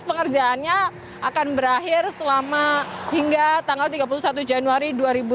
pengerjaannya akan berakhir selama hingga tanggal tiga puluh satu januari dua ribu dua puluh